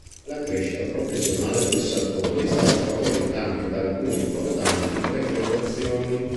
La crescita professionale del Sartori è stata favorita anche da alcune importanti frequentazioni.